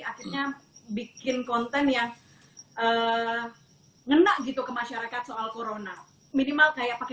akhirnya bikin konten yang ngena gitu ke masyarakat soal corona minimal kayak pakai